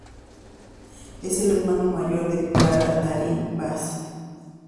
Es el hermano mayor de Clara Darín Bas.